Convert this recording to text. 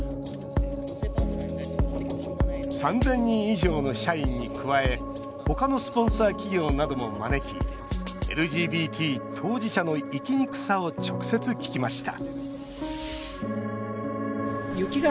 ３０００人以上の社員に加えほかのスポンサー企業なども招きＬＧＢＴ当事者の生きにくさを直接、聞きました